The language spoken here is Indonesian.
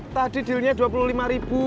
tadi dealnya dua puluh lima ribu